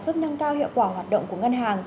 giúp nâng cao hiệu quả hoạt động của ngân hàng